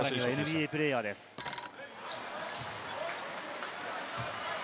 ＮＢＡプレーヤーです。